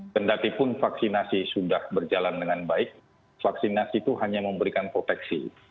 tendatipun vaksinasi sudah berjalan dengan baik vaksinasi itu hanya memberikan proteksi